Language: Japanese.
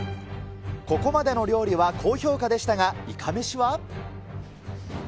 ここまでの料理は高評価でしたが、いかめしは？